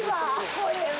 これは。